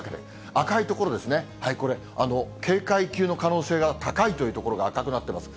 赤い所ですね、これ、警戒級の可能性が高いという所が赤くなっています。